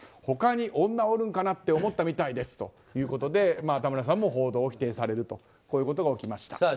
他に女おるんかなって思ったみたいですということでたむらさんも報道を否定されるとこういうことが起きました。